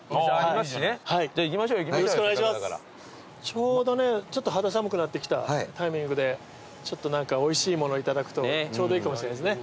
ちょうどねちょっと肌寒くなってきたタイミングで何かおいしいものを頂くとちょうどいいかもしれないですね。